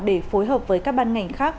để phối hợp với các ban ngành khác